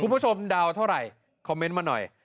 คุณผู้ชมดาวเท่าไหร่คอมเมนต์มาหน่อย